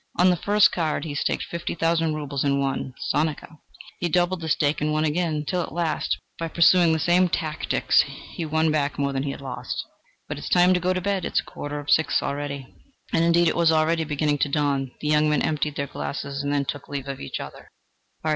On the first card he staked fifty thousand rubles and won sonika; he doubled the stake and won again, till at last, by pursuing the same tactics, he won back more than he had lost ... "But it is time to go to bed: it is a quarter to six already." And indeed it was already beginning to dawn: the young men emptied their glasses and then took leave of each other.